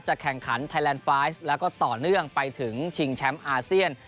แข่งขันไทยแลนด์ไฟล์แล้วก็ต่อเนื่องไปถึงชิงแชมป์อาเซียน